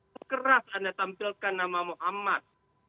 sekeras anda tampilkan nama muhammad